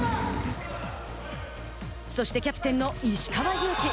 そしてキャプテンの石川祐希。